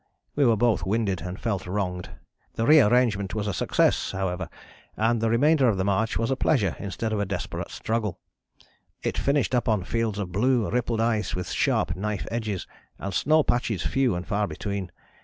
We were both winded and felt wronged. The rearrangement was a success however, and the remainder of the march was a pleasure instead of a desperate struggle. It finished up on fields of blue rippled ice with sharp knife edges, and snow patches few and far between.